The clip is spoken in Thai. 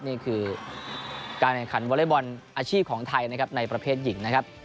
นี่คือการแข่งขันวอเล็กบอลอาชีพของไทยนะครับในประเภทหญิงนะครับ